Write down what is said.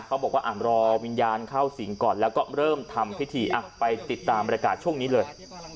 เขาบอกว่ารอวิญญาณเข้าสิงก่อนแล้วก็เริ่มทำพิธีไปติดตามบรรยากาศช่วงนี้เลย